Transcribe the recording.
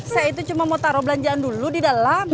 saya itu cuma mau taruh belanjaan dulu di dalam